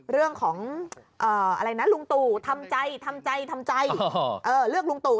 เรื่องของอะไรนะลุงตู่ทำใจทำใจทำใจเลือกลุงตู่